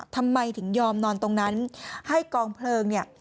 ทำไมถึงยอมนอนตรงนั้นให้กองเพลิงเนี่ย